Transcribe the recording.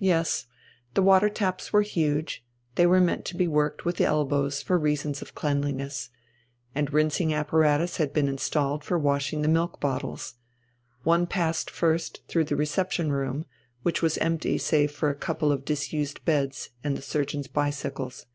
Yes. The water taps were huge, they were meant to be worked with the elbows for reasons of cleanliness. And rinsing apparatus had been installed for washing the milk bottles. One passed first through the reception room, which was empty save for a couple of disused beds and the surgeons' bicycles.